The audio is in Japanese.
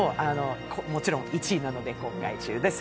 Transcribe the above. もちろん１位なので、公開中です。